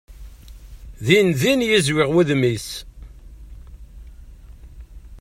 Din din yezwiɣ wudem-is.